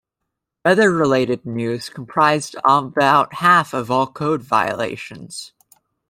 Weather-related news comprised about half of all code violations.